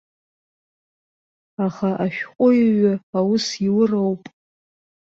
Аха ашәҟәыҩҩы аус иуроуп.